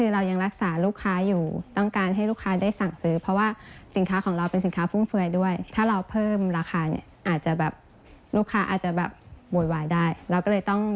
เราก็เลยต้องยอมรับต้นทุนตัวนั้นแทนลูกค้าค่ะ